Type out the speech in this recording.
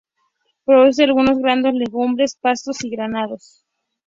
Produce algunos granos, legumbres, pastos y ganados".